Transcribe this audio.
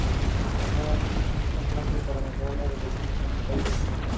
Durante siglos estuvo muy presente en los pueblos valencianos.